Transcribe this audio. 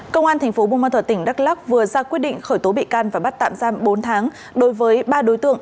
công an thành phố bùn ma thuật tỉnh đắk lắc vừa ra quyết định khởi tố bị can và bắt tạm giam bốn tháng đối với ba đối tượng